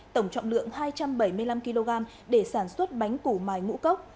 tổng trọng lượng hai trăm bảy mươi năm kg để sản xuất bánh củ mài ngũ cốc